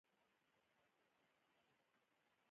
د بېوزلو او بډایو ترمنځ واټن ژور شوی و